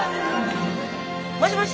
もしもし？